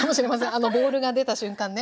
あのボウルが出た瞬間ね。